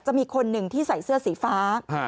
จะมีคนหนึ่งที่ใส่เสื้อสีฟ้า